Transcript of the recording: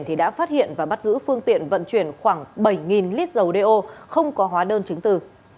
thì đã phát hiện và bắt giữ phương tiện vận chuyển khoảng bảy lít dầu đeo không có hóa đơn chứng từ